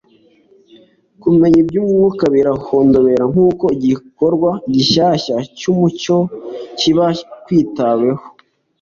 kumenya iby'umwuka birahondobera nk'uko igikorwa gishyashya cy'umucyo kiba kuitaweho.